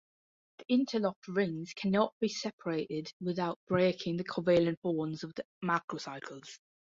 The interlocked rings cannot be separated without breaking the covalent bonds of the macrocycles.